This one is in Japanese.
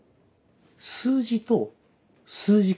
数字と数字